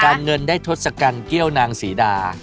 การเงินได้ทศกัณฐ์เกี้ยวนางศรีดา